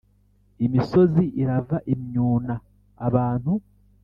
imisozi irava imyuna abantu